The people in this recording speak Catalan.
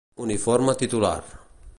Uniforme titular: